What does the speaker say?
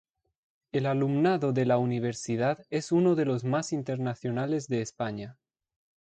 El alumnado de la Universidad es uno de los más internacionales de España.